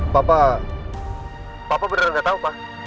papa papa beneran gak tau pak